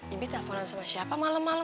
ibi teleponan sama siapa malem malem